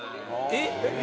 えっ！